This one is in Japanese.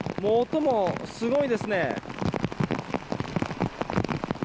音もすごいですね。